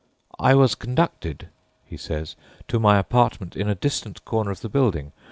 "I was conducted," he says, "to my apartment in a distant corner of the building.